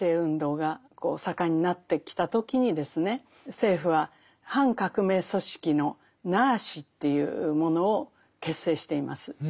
政府は反革命組織の「ＮＡＳＨ」というものを結成しています。